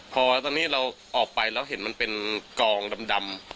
พอตอนนี้เราออกไปแล้วเห็นมันเป็นกองดำ